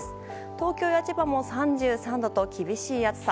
東京や千葉も３３度と厳しい暑さ。